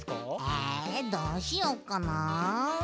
えどうしよっかな？